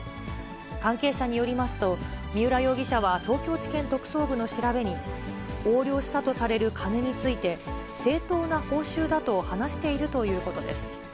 関係者によりますと、三浦容疑者は東京地検特捜部の調べに、横領したとされる金について、正当な報酬だと話しているということです。